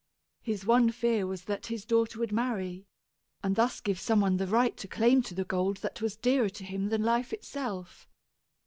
His one fear was that this daughter would marry, and thus give some one the right to lay claim to the gold that was dearer to him than life itself.